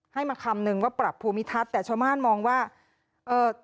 ให้มาคำนึงว่าปรับภูมิทัศน์แต่ชาวบ้านมองว่าเอ่อ